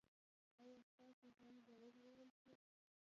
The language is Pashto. ایا ستاسو ژوند به وژغورل شي؟